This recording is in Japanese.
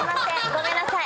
ごめんなさい。